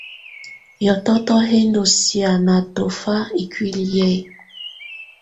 Hiɔtɔtɔ hɛ̀ ndù siana tɔfa ikuili yɛ.